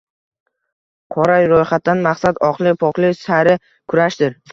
Qora ro`yxatdan maqsad oqlik-poklik sari kurashdir